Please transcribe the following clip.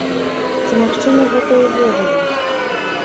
Ці магчыма гэта ўвогуле?